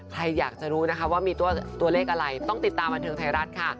ใครอยากจะรู้นะคะว่ามีตัวเลขอะไรต้องติดตามบันเทิงไทยรัฐค่ะ